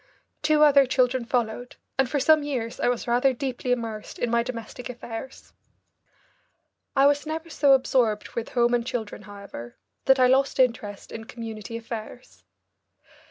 Two other children followed, and for some years I was rather deeply immersed in my domestic affairs. I was never so absorbed with home and children, however, that I lost interest in community affairs. Dr.